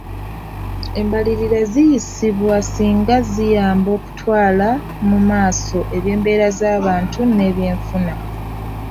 Embalirira ziyisibwa singa ziyamba okutwala mu maaso eby'embeera z'abantu n'ebyenfuna.